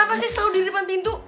lo kenapa sih selalu di depan pintu